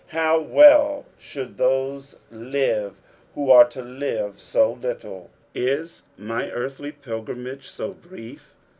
How well should those live who are to live so little 1 Is mj earthly pilgrimags so brief